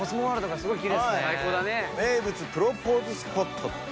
名物プロポーズスポットと。